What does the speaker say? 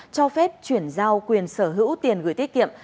cho phép chuyển giao quyền sở hữu tiền gửi tiết kiệm